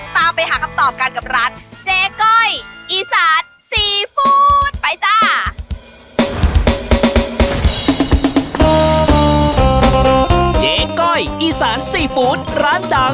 ตามไปหาคำตอบกันกับร้านเจ๊ก้อยอีสานซีฟู้ดไปจ้า